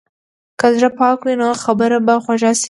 که زړه پاک وي، نو خبرې به خوږې شي.